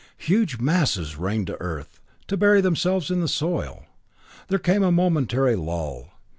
Huge masses rained to earth, to bury themselves in the soil. There came a momentary lull.